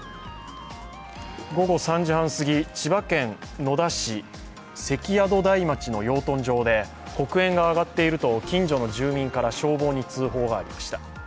午後３時半すぎ、千葉県野田市関宿台町の養豚場で、黒煙が上がっていると近所の住民から消防に通報がありました。